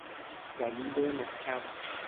دلیل محکم